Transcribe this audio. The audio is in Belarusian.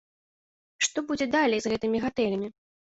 Што будзе далей з гэтымі гатэлямі?